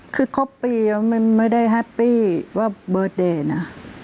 คือครบปีแล้วไม่ได้แฮปปี้ว่าเบิร์ตเดย์นะ